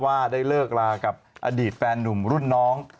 ว่าได้เลิกลากับอดีตแฟนหนุ่มรุ่นน้อง